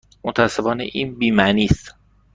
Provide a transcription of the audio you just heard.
متاسفانه این بی معنی است.